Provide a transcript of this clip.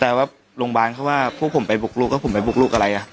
แต่ว่าโรงพยาบาลเขาว่าพวกผมไปบุกลูกแล้วผมไปบุกลูกอะไร